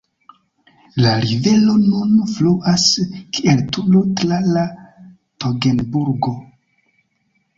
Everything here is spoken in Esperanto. La rivero nun fluas kiel Turo tra la Togenburgo.